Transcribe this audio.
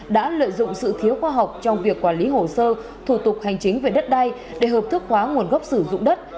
đã lợi dụng sự thiếu khoa học trong việc quản lý hồ sơ thủ tục hành chính về đất đai để hợp thức hóa nguồn gốc sử dụng đất